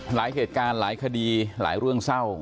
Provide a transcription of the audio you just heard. หลายเหตุการณ์หลายคดีหลายเรื่องเศร้า